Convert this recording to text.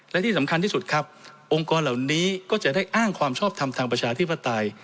และที่สำคัญที่สุดครับองค์กรเหล่านี้ก็จะได้อ้างความชอบทำทางประชาธิปไตย